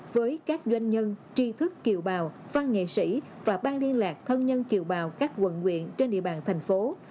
với các doanh nhân tri thức kiều bào văn nghệ sĩ và ban liên lạc thân nhân kiều bào các quận nguyện trên địa bàn thành phố